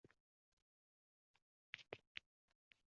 «Kelsin-chi!..» Xayolidan oʼtkazdi aʼzoi badani yonib.